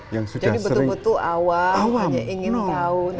jadi betul betul awam ingin tahu